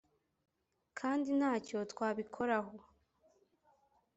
Kandi nta cyo twabikoraho